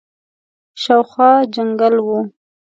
شاوخوا جنګل وو.